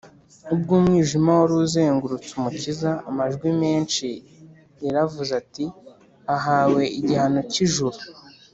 ubwo umwijima wari uzengurutse umukiza, amajwi menshi yaravuze ati: ahawe igihano cy’ijuru